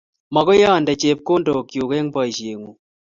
Makoi ande chepkondok chuk eng boishet ngung